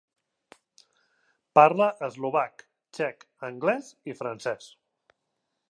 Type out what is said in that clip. Parla eslovac, txec, anglès i francès.